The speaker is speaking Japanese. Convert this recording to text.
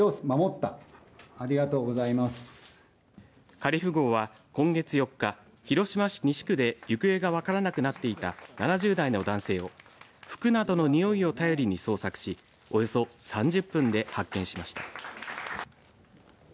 カリフ号は今月４日広島市西区で行方が分からなくなっていた７０代の男性を服などのにおいを頼りに捜索しおよそ３０分で発見しました。